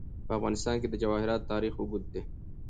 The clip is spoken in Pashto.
په افغانستان کې د جواهرات تاریخ اوږد دی.